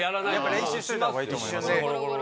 練習しといたほうがいいと思います。